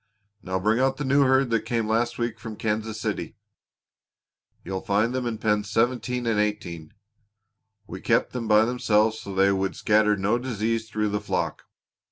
Now bring out the new herd that came last week from Kansas City. You'll find them in pens seventeen and eighteen. We kept them by themselves so they would scatter no disease through the flock.